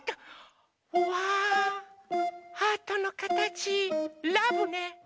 うわハートのかたちラブね。